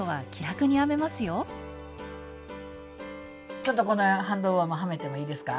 ちょっとこのハンドウォーマーはめてもいいですか？